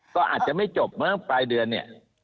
ก็อาจจะไม่จบมั้งปลายเดือนเนี่ย